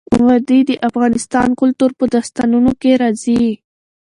وادي د افغان کلتور په داستانونو کې راځي.